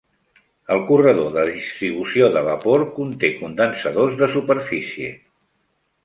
El corredor de distribució de vapor conté condensadors de superfície.